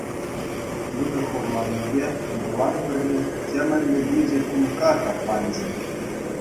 Чунӗ хурланнипе Микулан пырне темӗнле йӳҫӗ кумкка капланчӗ.